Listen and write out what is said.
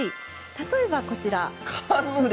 例えばこちら。